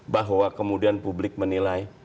bahwa kemudian publik menilai